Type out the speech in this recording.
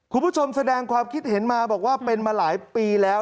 คุณผู้ชมแสดงความคิดเห็นมาบอกว่าเป็นมาหลายปีแล้ว